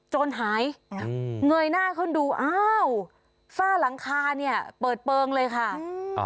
จนหายเงยหน้าขึ้นดูอ้าวฝ้าหลังคาเนี่ยเปิดเปลืองเลยค่ะอืม